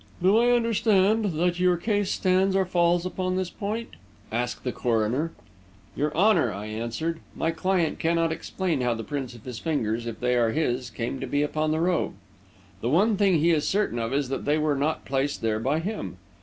"Do I understand that your case stands or falls upon this point?" asked the coroner. "Your Honor," I answered, "my client cannot explain how the prints of his fingers, if they are his, came to be upon that robe. The one thing he is certain of is that they were not placed there by him.